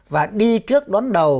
và đi trước đón đầu